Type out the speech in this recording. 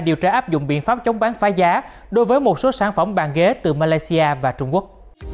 điều tra áp dụng biện pháp chống bán phá giá đối với một số sản phẩm bàn ghế từ malaysia và trung quốc